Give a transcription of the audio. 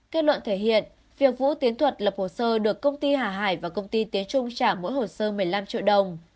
kết luận thể hiện việc vũ tiến thuật lập hồ sơ được công ty hà hải và công ty tiến trung trả mỗi hồ sơ một mươi năm triệu đồng